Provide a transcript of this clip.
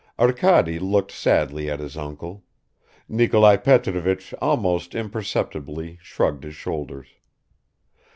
Arkady looked sadly at his uncle; Nikolai Petrovich almost imperceptibly shrugged his shoulders.